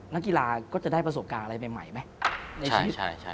นักกีฬาก็จะได้ประสบการณ์อะไรใหม่ไหมในชีวิต